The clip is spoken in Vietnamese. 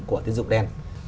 của tín dụng đen